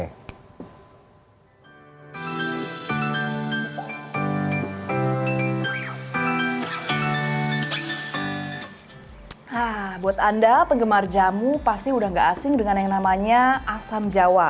nah buat anda penggemar jamu pasti udah gak asing dengan yang namanya asam jawa